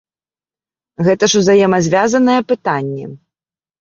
Гэта ж узаемазвязаныя пытанні.